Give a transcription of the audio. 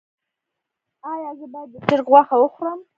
ایا زه باید د چرګ غوښه وخورم؟